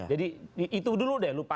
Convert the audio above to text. jadi itu dulu deh lupain